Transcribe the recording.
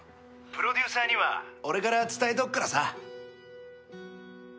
「プロデューサーには俺から伝えとくからさ」